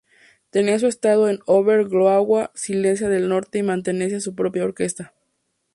Tenía su estado en Ober-Glogau, Silesia del Norte y mantenía su propia orquesta.